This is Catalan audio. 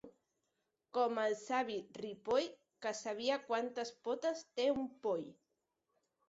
Com el savi Ripoll, que sabia quantes potes té un poll.